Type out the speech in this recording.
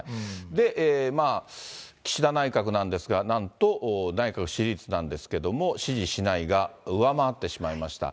で、岸田内閣なんですが、なんと内閣支持率なんですけれども、支持しないが上回ってしまいました。